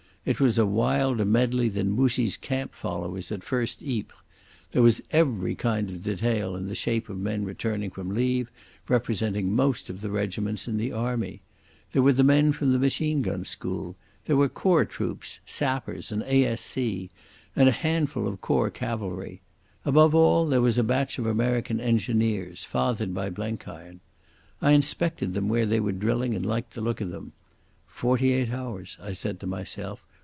It was a wilder medley than Moussy's camp followers at First Ypres. There was every kind of detail in the shape of men returning from leave, representing most of the regiments in the army. There were the men from the machine gun school. There were Corps troops—sappers and A.S.C., and a handful of Corps cavalry. Above all, there was a batch of American engineers, fathered by Blenkiron. I inspected them where they were drilling and liked the look of them. "Forty eight hours," I said to myself.